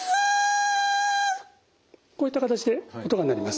こういった形で音が鳴ります。